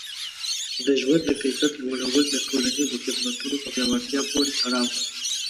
د ژوند د کیفیت لوړول د ټولنیزو خدمتونو په پیاوړتیا پورې تړاو لري.